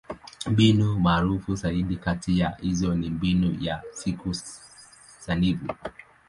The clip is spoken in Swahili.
Mbinu maarufu zaidi kati ya hizo ni Mbinu ya Siku Sanifu.